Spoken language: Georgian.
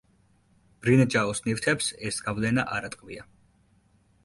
ბრინჯაოს ნივთებს ეს გავლენა არ ატყვია.